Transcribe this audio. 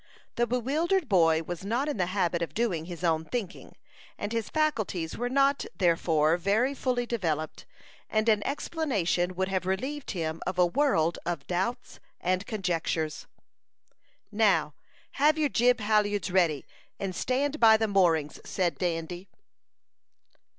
The bewildered boy was not in the habit of doing his own thinking, and his faculties were not, therefore, very fully developed, and an explanation would have relieved him of a world of doubts and conjectures. "Now, have your jib halyards ready, and stand by the moorings," said Dandy.